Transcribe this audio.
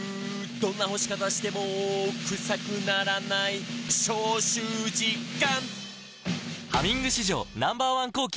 「どんな干し方してもクサくならない」「消臭実感！」